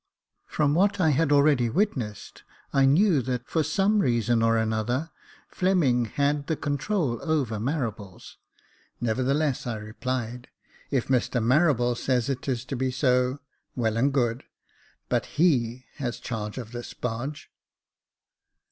From what I had already witnessed, I knew that, for some reason or another, Fleming had the control over Marables j nevertheless I replied, " If Mr Marables says it is to be so, well and good ; but he has charge of this barge."